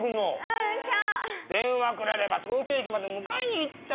電話くれれば東京駅まで迎えに行ったのに。